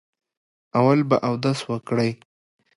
اول به اودس وکړئ.